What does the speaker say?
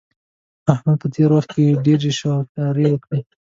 احمد په تېر وخت کې ډېرې شوکماری وکړلې.